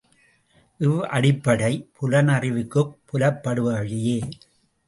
இவ்வடிப்படை புலனறிவுக்குப் புலப்படுபவையே.